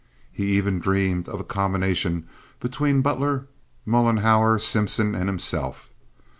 He even dreamed of a combination between Butler, Mollenhauer, Simpson, and himself.